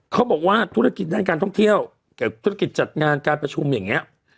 เขาบอกว่าธุรกิจด้านการท่องเที่ยวกับธุรกิจจัดงานการประชุมอย่างนี้